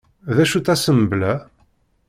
D acu-tt Assembla?